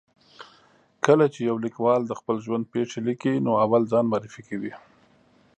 کله چې یو لیکوال د خپل ژوند پېښې لیکي، نو اول ځان معرفي کوي.